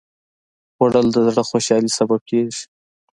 خوړل د زړه خوشالي سبب کېږي